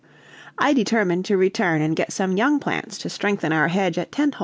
I determined to return and get some young plants to strengthen our hedge at Tentholm.